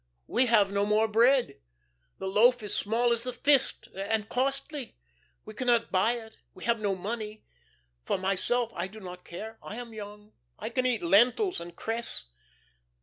We have no more bread. The loaf is small as the fist, and costly. We cannot buy it, we have no money. For myself, I do not care. I am young. I can eat lentils and cress.